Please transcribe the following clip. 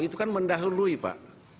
itu kan mendahului pak